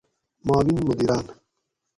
معاون مدیران